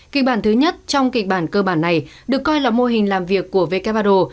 kịch bản thứ nhất trong kịch bản cơ bản này được coi là mô hình làm việc của wardol